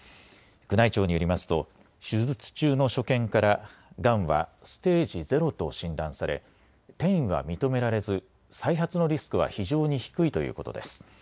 宮内庁によりますと手術中の所見からがんはステージ０と診断され転移は認められず再発のリスクは非常に低いということです。